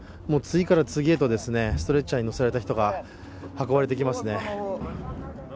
もう次から次へとストレッチャーに乗せられた人が運ばれてきますね。